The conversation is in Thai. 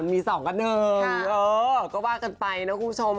มี๒กันเดิม